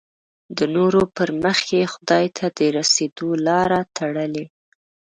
د نورو پر مخ یې خدای ته د رسېدو لاره تړلې.